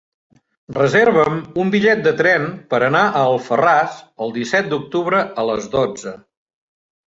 Reserva'm un bitllet de tren per anar a Alfarràs el disset d'octubre a les dotze.